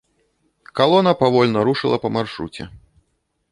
Калона павольна рушыла па маршруце.